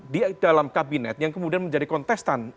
di dalam kabinet yang kemudian menjadi kontestan